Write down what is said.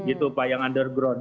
itu pak yang underground